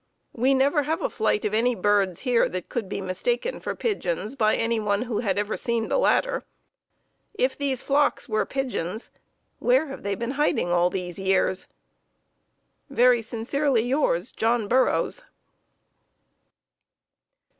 We never have a flight of any birds here that could be mistaken for pigeons by any one who had ever seen the latter. If these flocks were pigeons, where have they been hiding all these years? Very sincerely yours, John Burroughs.